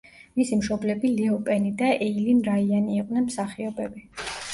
მისი მშობლები ლეო პენი და ეილინ რაიანი იყვნენ მსახიობები.